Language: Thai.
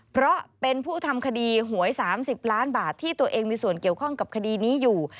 เพราะเป็นผู้ทำคดีหวย๓๐ล้านบาทที่ตัวเองมีส่วนเกี่ยวข้องกับคดีนี้อยู่